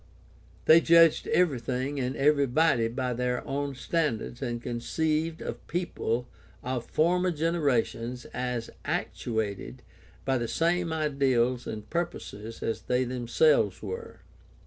They judged evecything and every body by their own standards and conceived of people of former generations as actuated by the same ideals and pur poses as they themselves were.